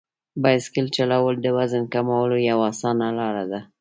بایسکل چلول د وزن کمولو یوه اسانه لار ده.